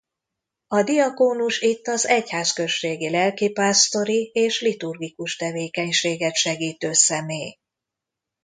A diakónus itt az egyházközségi lelkipásztori és liturgikus tevékenységet segítő személy.